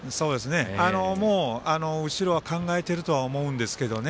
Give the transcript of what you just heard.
もう、後ろは考えてるとは思うんですけどね。